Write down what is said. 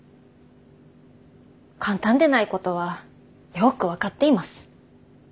簡単でないことはよく分かっています。